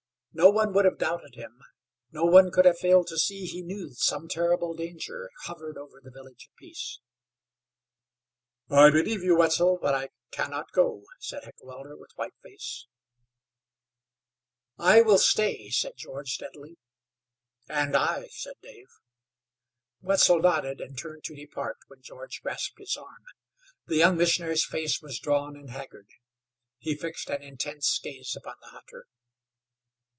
No one would have doubted him. No one could have failed to see he knew that some terrible anger hovered over the Village of Peace. "I believe you, Wetzel, but I can not go," said Heckewelder, with white face. "I will stay," said George, steadily. "And I," said Dave. Wetzel nodded, and turned to depart when George grasped his arm. The young missionary's face was drawn and haggard; he fixed an intense gaze upon the hunter.